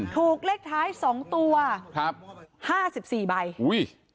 ถูกเลขท้ายสองตัวครับห้าสิบสี่ใบอุ้ย